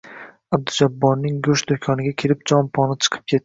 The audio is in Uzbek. Abdujabborning go`sht do`koniga kelib jon-poni chiqib ketdi